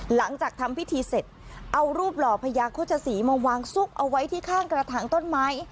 หลังจากทำพิธีเสร็จเอารูปหล่อพญาโฆษศรีมาวางซุกเอาไว้ที่ข้างกระถางต้นไม้